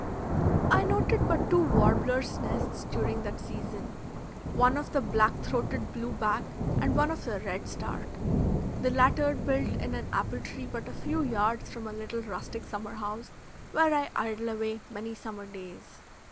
I noted but two warblers' nests during that season, one of the black throated blue back and one of the redstart, the latter built in an apple tree but a few yards from a little rustic summer house where I idle away many summer days.